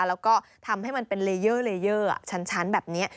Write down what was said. แล้วก็ทำให้มันเป็นเลเยอร์เลเยอร์ชั้นแบบนี้